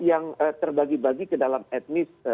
yang terbagi bagi ke dalam etnis